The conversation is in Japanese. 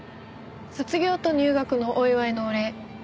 卒業と入学のお祝いのお礼。